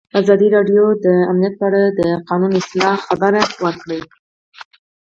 ازادي راډیو د امنیت په اړه د قانوني اصلاحاتو خبر ورکړی.